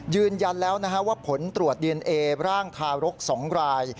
ยืนยันแล้วว่าผลตรวจดีเอนเอร่างทารก๒ราย